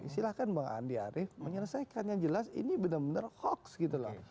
silahkan bang andi arief menyelesaikan yang jelas ini benar benar hoax gitu loh